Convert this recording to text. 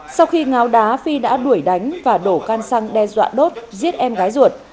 sau khi ngáo đá phi đã đuổi đánh và đổ can xăng đe dọa đốt giết em gái ruột